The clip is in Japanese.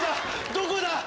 どこだ？